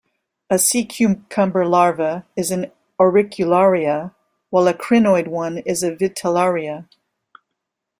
A sea cucumber larva is an 'auricularia' while a crinoid one is a 'vitellaria'.